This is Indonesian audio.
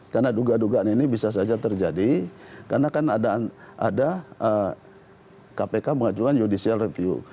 karena duga dugaan ini bisa saja terjadi karena kan ada kpk mengajukan judicial review